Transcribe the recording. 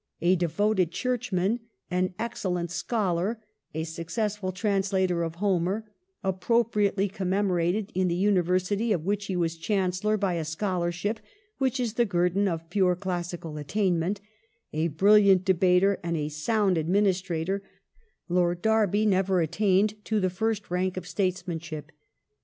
A devoted Churchman ; an excellent scholar ; a successful translator of Homer ; appropriately com memorated in the University of which he was Chancellor by a scholarship which is the guerdon of pure classical attainment ; a brilliant debater, and a sound administrator, Lord Derby never Derby 1868] DISRAELI'S FIRST MINISTRY 371 attained to the first rank of statesmanship.